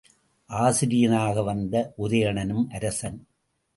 ஆசிரியனாக வந்த உதயணனும் அரசன்.